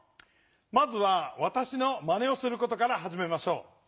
まずはわたしのまねをすることからはじめましょう。